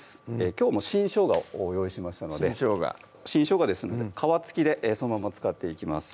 きょうも新しょうがを用意しましたので新しょうがですので皮付きでそのまま使っていきます